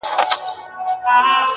کاينات راڅه هېريږي ورځ تېرېږي,